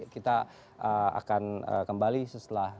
kita akan kembali setelah